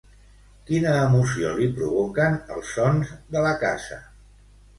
Quina emoció li provoquen els sons de la casa?